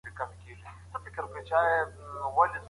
سياستوال په سياسي ژوند کي نه و بريالي سوي.